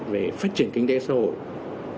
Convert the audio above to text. về phát triển kinh tế xã hội